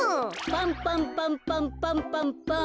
パンパンパンパンパンパンパン。